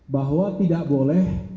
bahwa tidak boleh